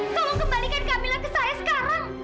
tolong kembalikan kamilah ke saya sekarang